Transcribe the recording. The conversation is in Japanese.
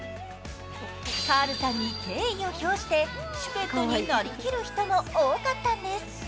カールさんに敬意を表してシュペットになりきる人も多かったんです。